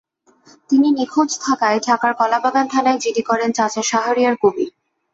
তিনি নিখোঁজ থাকায় ঢাকার কলাবাগান থানায় জিডি করেন চাচা শাহরিয়ার কবির।